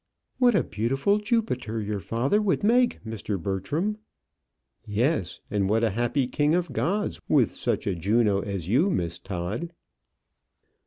"What a beautiful Jupiter your father would make, Mr. Bertram!" "Yes; and what a happy king of gods with such a Juno as you, Miss Todd!"